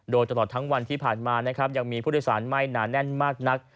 โดยตลอดทั้งวันที่ผ่านมานะครับยังมีผู้โดยสารไม่หนาแน่นมากนัก